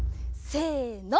せの。